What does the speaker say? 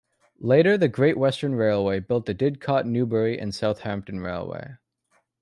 Later, the Great Western Railway built the Didcot, Newbury and Southampton Railway.